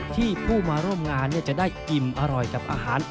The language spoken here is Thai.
ผู้มาร่วมงานจะได้อิ่มอร่อยกับอาหาร